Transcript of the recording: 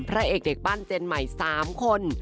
พระเอกเด็กปั้นเจนใหม่๓คน